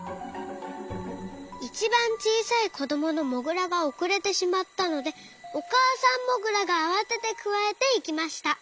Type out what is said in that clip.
いちばんちいさいこどものモグラがおくれてしまったのでおかあさんモグラがあわててくわえていきました。